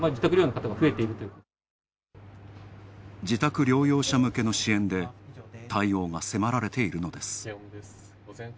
自宅療養者向けの支援で対応が迫られているのです。